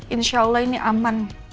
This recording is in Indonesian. insya allah ini aman